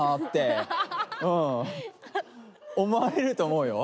うん思われると思うよ。